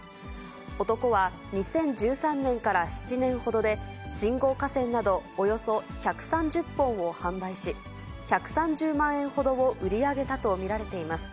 男は２０１３年から７年ほどで、信号火せんなどおよそ１３０本を販売し、１３０万円ほどを売り上げたと見られています。